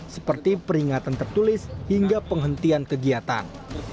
seperti peringatan tertulis hingga penghentian kegiatan